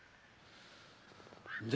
で